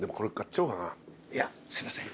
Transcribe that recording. いやすいません。